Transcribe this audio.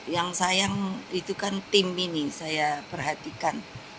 yang sayang itu kan tim ini saya perhatikan